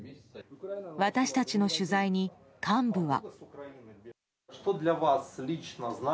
私たちの取材に、幹部は。